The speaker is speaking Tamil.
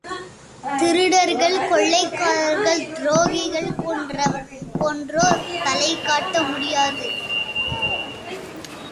திருடர்கள், கொள்ளைக்காரர்கள், துரோகிகள் போன்றோர் தலைகாட்ட முடியாது.